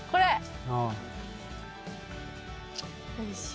よいしょ。